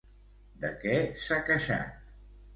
De què s'ha queixat?